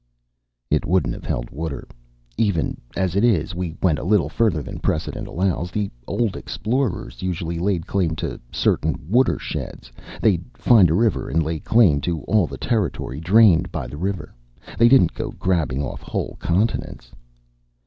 "It wouldn't have held water. Even as it is, we went a little further than precedent allows. The old explorers usually laid claim to certain watersheds. They'd find a river and lay claim to all the territory drained by the river. They didn't go grabbing off whole continents."